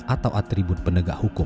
atau atribut penegak hukum